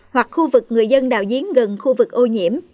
hoặc khu vực người dân đào diến gần khu vực ô nhiễm